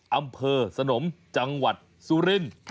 อำเภอสนมจังหวัดสุรินทร์